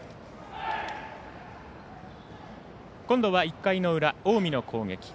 今度は１回の裏、近江の攻撃。